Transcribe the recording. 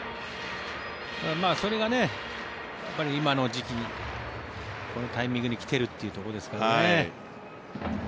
それが今の時期にこのタイミングに来ているということですからね。